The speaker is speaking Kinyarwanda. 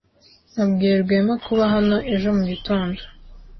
Nabwiye Rwema kuba hano ejo mugitondo.